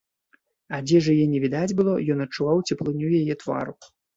Адзежы яе не відаць было, ён адчуваў цеплыню яе твару.